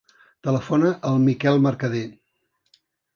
Telefona al Miquel Mercader.